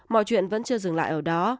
mọi chuyện vẫn chưa dừng lại ở đó